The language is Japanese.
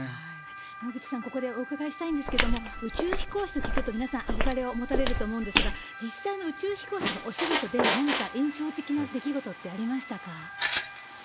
野口さん、ここでお伺いしたいんですけれども、宇宙飛行士と聞くと、皆さん、憧れを持たれると思うんですが、実際の宇宙飛行士のお仕事で、何か印象的な出来事ってありましたか？